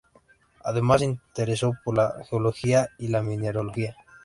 Además se interesó por la geología y la mineralogía.